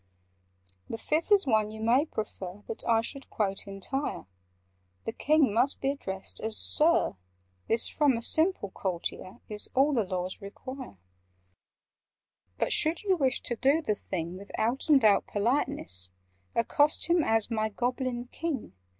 "The Fifth is one you may prefer That I should quote entire:— The King must be addressed as 'Sir.' This, from a simple courtier, Is all the Laws require: "But, should you wish to do the thing With out and out politeness, Accost him as 'My Goblin King!